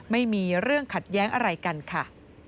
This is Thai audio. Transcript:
ไม่มีเรื่องขัดแย้งอะไรกันค่ะ